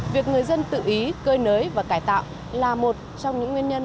việc người dân tự ý cơi nới và cải tạo là một trong những nguyên nhân